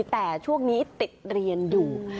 แต่ช่วงนี้ติดเรียนอยู่